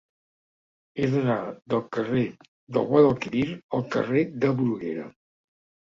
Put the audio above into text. He d'anar del carrer del Guadalquivir al carrer de Bruguera.